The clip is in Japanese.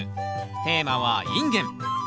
テーマは「インゲン」。